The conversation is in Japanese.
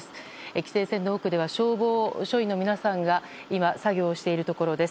規制線の奥では消防署員の皆さんが今作業をしているところです。